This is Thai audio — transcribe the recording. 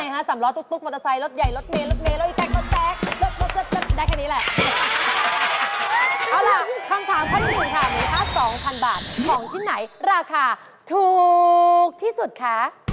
เอาล่ะข้างข้างที่ลูกค้างนี้คะ๒๐๐๐บาทของที่ไหนราคาถูกที่สุดคะ